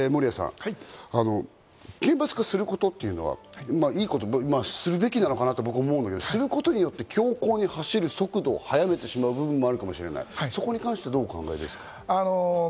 守屋さん、厳罰化することっていうのは、いいことするべきなのかなと思うんですけど、することによって強行に走る速度をはめてしまう部分もあるかもしれない、どうお考